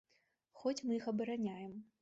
Хоць мы іх абараняем.